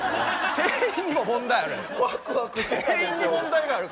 店員にも問題あるよ。